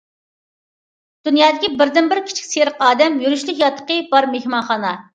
دۇنيادىكى بىردىنبىر« كىچىك سېرىق ئادەم» يۈرۈشلۈك ياتىقى بار مېھمانخانا.